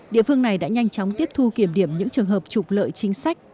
địa phương này đã nhanh chóng tiếp thu kiểm điểm những trường hợp trục lợi chính sách